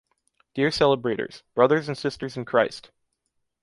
Dear celebrators, brothers and sisters in Christ!